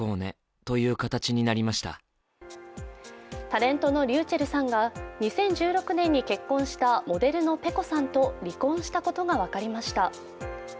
タレントのｒｙｕｃｈｅｌｌさんが２０１６年に結婚したモデルのｐｅｃｏさんと離婚したことが分かりました。